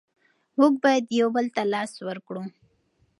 موږ بايد يو بل ته لاس ورکړو.